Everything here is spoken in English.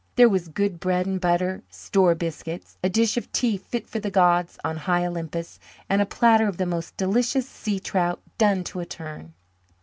There was good bread and butter, "store" biscuits, a dish of tea fit for the gods on high Olympus, and a platter of the most delicious sea trout, done to a turn.